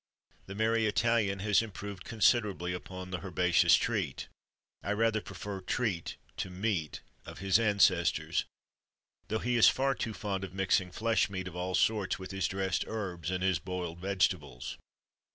_ The merry Italian has improved considerably upon the herbaceous treat (I rather prefer "treat" to "meat") of his ancestors; though he is far too fond of mixing flesh meat of all sorts with his dressed herbs, and his boiled vegetables.